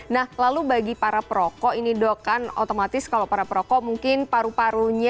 nah lalu bagi para perokok ini dok kan otomatis kalau para perokok mungkin paru parunya